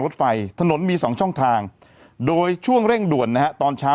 รถไฟถนนมี๒ช่องทางโดยช่วงเร่งด่วนนะฮะตอนเช้า